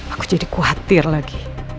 aku jadi kuatir lagi